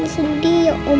kamu jangan sedih ya umar